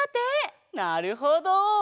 なるほど！